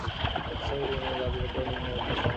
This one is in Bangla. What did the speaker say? এ ছাড়াও ছিল জাতিগত ও নিম্নবর্ণ সমস্যা।